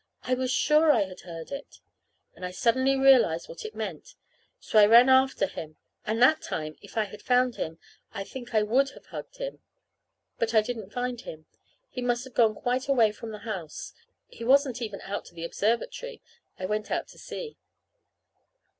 I was sure I had heard it, and I suddenly realized what it meant. So I ran after him; and that time, if I had found him, I think I would have hugged him. But I didn't find him. He must have gone quite away from the house. He wasn't even out to the observatory. I went out to see.